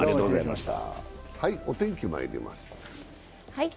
お天気まいります。